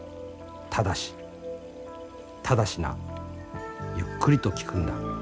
ただしただしなゆっくりと聞くんだ。